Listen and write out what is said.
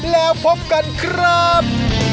แล้วพบกันครับ